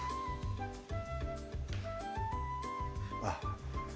あっ